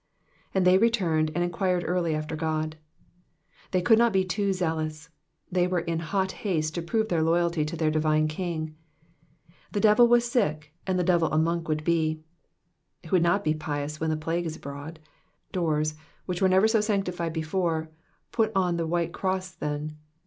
'"And they returned and enquired early after Qod,'*'* They could not be too zealous, tney were in hot haste to prove their loyalty to their divine King. The devil was sick and the devil a monk would bo." Who would not Digitized by VjOOQIC 442 EXPOSITIONS OF THE PSALMS. be pious when the plague is abroad? Doors, which were never so sanctified before, put on the white cross then.